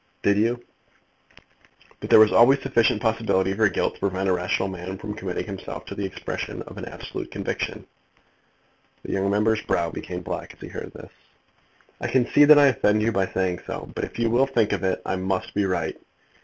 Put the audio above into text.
"Did you?" "But there was always sufficient possibility of your guilt to prevent a rational man from committing himself to the expression of an absolute conviction." The young member's brow became black as he heard this. "I can see that I offend you by saying so, but if you will think of it, I must be right.